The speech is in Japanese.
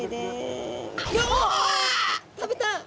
食べた！